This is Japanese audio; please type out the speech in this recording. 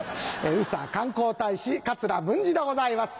宇佐観光大使桂文治でございます。